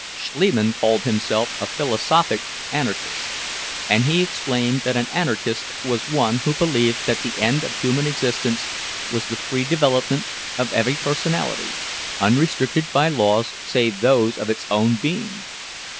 Schliemann called himself a "philosophic anarchist"; and he explained that an anarchist was one who believed that the end of human existence was the free development of every personality, unrestricted by laws save those of its own being.